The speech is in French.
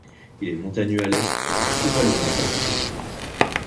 Il est montagneux à l'est et vallonné à l'ouest.